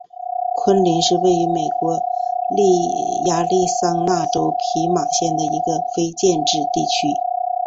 昆林是位于美国亚利桑那州皮马县的一个非建制地区。